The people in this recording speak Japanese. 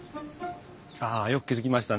ああよく気付きましたね。